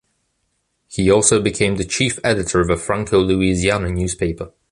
He also became the chief editor of a Franco-Louisiana newspaper.